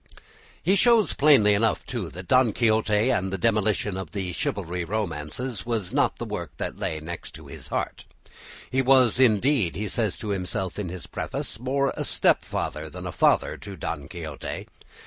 He shows plainly enough, too, that "Don Quixote" and the demolition of the chivalry romances was not the work that lay next his heart. He was, indeed, as he says himself in his preface, more a stepfather than a father to "Don Quixote."